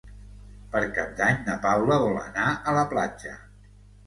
Per Cap d'Any na Paula vol anar a la platja.